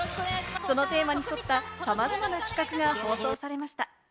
そのテーマに沿ったさまざまな企画が放送されました。